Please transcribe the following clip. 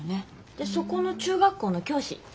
でそこの中学校の教師。